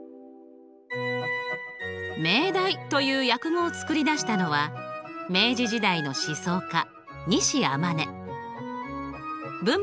命題という訳語を作り出したのは明治時代の思想家文明